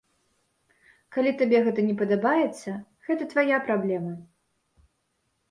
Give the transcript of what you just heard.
Калі табе гэта не падабаецца, гэта твая праблема.